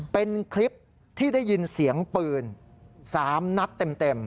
เป็นคลิปที่ได้ยินเสียงปืน๓นัดเต็ม